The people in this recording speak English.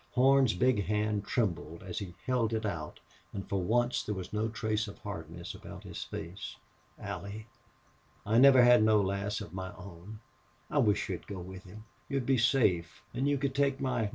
Horn's big hand trembled as he held it out, and for once there was no trace of hardness about his face. "Allie, I never had no lass of my own.... I wish you'd go with him. You'd be safe an' you could take my " "No!"